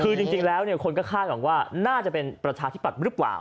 คือจริงแล้วคนก็คาดหวังว่าน่าจะเป็นประชาธิปัตย์หรือเปล่า